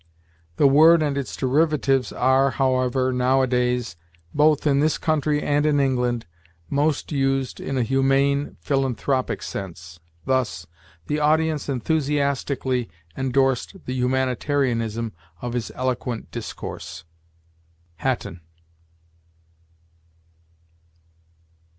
The word and its derivatives are, however, nowadays, both in this country and in England, most used in a humane, philanthropic sense; thus, "The audience enthusiastically endorsed the humanitarianism of his eloquent discourse." Hatton.